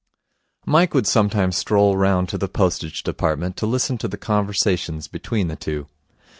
Mike would sometimes stroll round to the Postage Department to listen to the conversations between the two.